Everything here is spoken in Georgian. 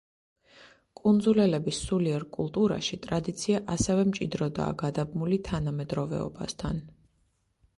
კუნძულელების სულიერ კულტურაში ტრადიცია ასევე მჭიდროდაა გადაბმული თანამედროვეობასთან.